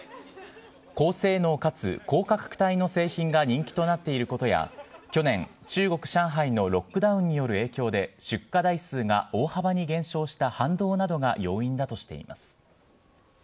高性能かつ高価格帯の製品が人気となっていることや、去年、中国・上海のロックダウンによる影響で出荷台数が大幅に減少した反動などが要因だとしています。